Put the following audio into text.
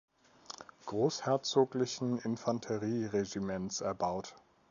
Großherzoglichen Infanterieregiments erbaut.